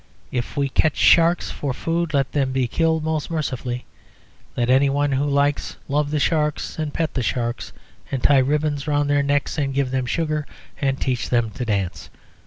If we catch sharks for food, let them be killed most mercifully; let any one who likes love the sharks, and pet the sharks, and tie ribbons round their necks and give them sugar and teach them to dance.